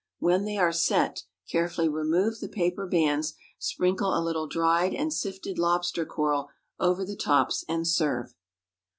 When they are "set," carefully remove the paper bands, sprinkle a little dried and sifted lobster coral over the tops, and serve.